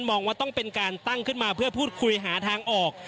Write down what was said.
มองว่าต้องเป็นการตั้งขึ้นมาเพื่อพูดคุยหาทางออก